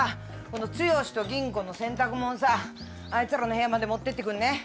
この剛と吟子の洗濯もんさあいつらの部屋まで持ってってくんねえ？